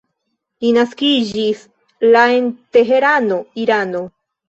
Li naskiĝis la en Teherano, Irano.